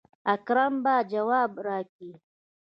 اکرم به جواب راکي.